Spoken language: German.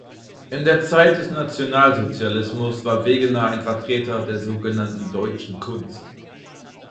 In der Zeit des Nationalsozialismus war Wegener ein Vertreter der sogenannten Deutschen Kunst.